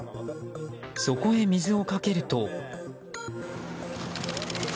そこへ水をかけると。